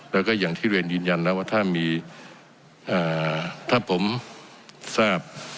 แล้วก็อย่างที่เรียนยืนยันนะว่าถ้ามีถ้าผมทราบ